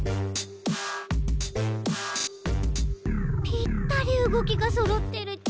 ぴったりうごきがそろってるち。